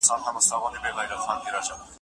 غوسه دې